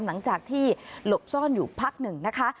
หลังจากที่หลบซ่อนอยู่พักหนึ่งนะคะ